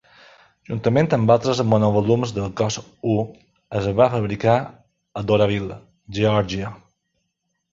Juntament amb altres monovolums de cos U, es va fabricar a Doraville, Geòrgia.